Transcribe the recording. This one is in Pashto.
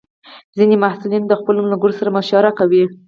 ځینې محصلین د خپلو ملګرو سره مشوره کوي.